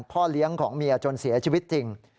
พ่อเลี้ยงของเมียจนเสียชีวิตจริง